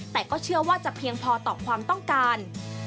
แต่ก็เชื่อว่าจะเพียงพอต่อความต้องการ